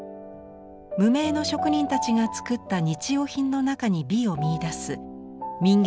無名の職人たちが作った日用品の中に美を見いだす民藝